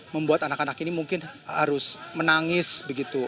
membuat anak anak ini mungkin harus menangis begitu